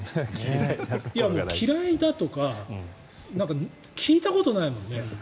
嫌いだとか聞いたことないもんね。